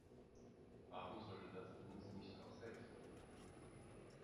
Warum sollte das uns nicht auch selbst gelingen?